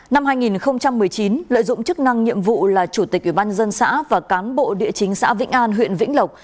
năm hai nghìn một mươi chín lợi dụng chức năng nhiệm vụ là chủ tịch ubnd xã và cán bộ địa chính xã vĩnh an huyện vĩnh lộc